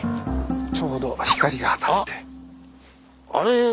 ちょうど光が当たって。